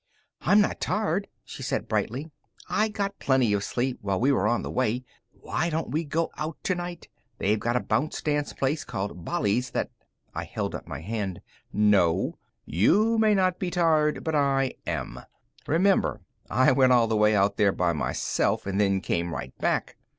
"I'm not tired," she said brightly. "I got plenty of sleep while we were on the way. Why don't we go out tonight? They've got a bounce dance place called Bali's that " I held up a hand. "No. You may not be tired, but I am. Remember, I went all the way out there by myself, and then came right back.